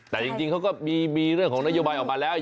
แต่จริงจริงเขาก็มีมีเรื่องของน้อยโอบายออกมาแล้วใช่